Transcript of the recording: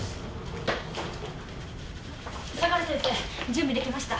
相良先生準備出来ました。